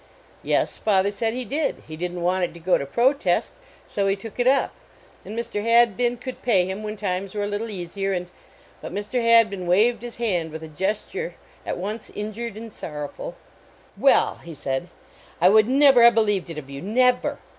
Yes, father said, he did; he didn t want it to go to protest, so he took it up, and Mr. Hadbin could pay him when times were a lit tle easier and But Mr. Hadbin waved his hand with a gesture at once injured and sorrowful. "Well," he said, " I would never have believed it of you. Never.